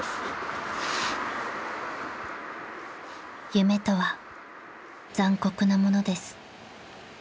［夢とは残酷なものです］